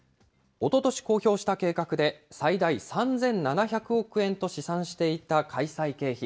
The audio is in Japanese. おととし公表した計画で、最大３７００億円と試算していた開催経費。